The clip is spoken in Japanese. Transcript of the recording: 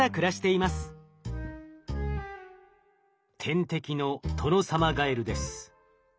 天敵のトノサマガエルです。